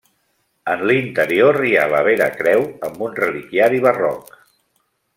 En l'interior hi ha la Vera Creu, amb un reliquiari barroc.